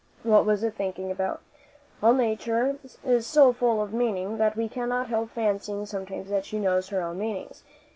What was it thinking about? All Nature is so full of meaning, that we cannot help fancying sometimes that she knows her own meanings.